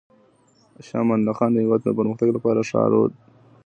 شاه امان الله خان د هېواد د پرمختګ لپاره لارښود و.